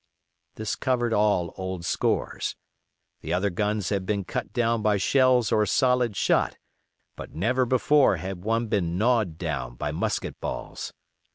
This covered all old scores. The other guns had been cut down by shells or solid shot; but never before had one been gnawed down by musket balls.